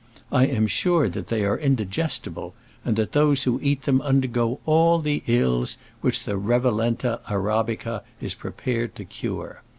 I am sure that they are indigestible, and that those who eat them undergo all the ills which the Revalenta Arabica is prepared to cure.